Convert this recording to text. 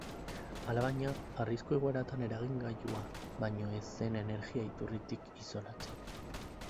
Alabaina, arrisku-egoeratan eragingailua baino ez zen energia-iturritik isolatzen.